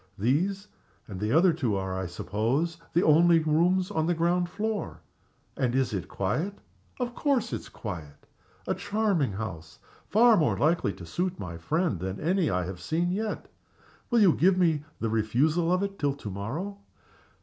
These and the other two are, I suppose, the only rooms on the ground floor? And is it quiet? Of course it's quiet! A charming house. Far more likely to suit my friend than any I have seen yet. Will you give me the refusal of it till to morrow?"